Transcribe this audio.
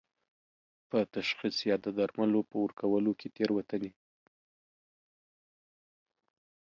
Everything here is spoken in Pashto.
په تشخیص یا د درملو په ورکولو کې تېروتنې